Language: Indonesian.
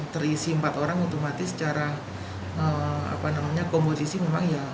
terisi empat orang otomatis secara komposisi memang ya